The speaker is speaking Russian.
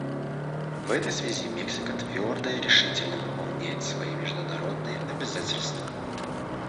В этой связи Мексика твердо и решительно выполняет свои международные обязательства.